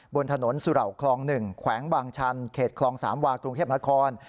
บนถนนสุเหล่าคลอง๑แขวงบางชันเขตคลองสามวากรุงเทพนคร